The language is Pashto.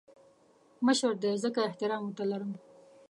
مشر دی ځکه احترام ورته لرم